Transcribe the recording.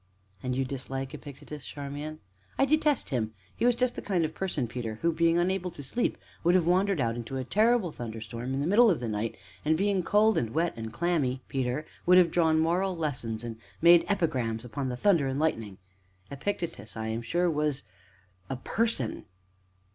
"And you dislike Epictetus, Charmian?" "I detest him! He was just the kind of person, Peter, who, being unable to sleep, would have wandered out into a terrible thunderstorm, in the middle of the night, and, being cold and wet and clammy, Peter, would have drawn moral lessons, and made epigrams upon the thunder and lightning. Epictetus, I am quite sure, was a person!"